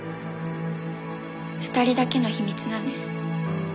２人だけの秘密なんです。